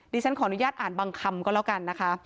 ฉันขออนุญาตอ่านบางคำก็แล้วกันนะคะ